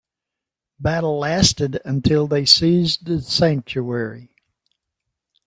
Battle lasted until they seized the sanctuary.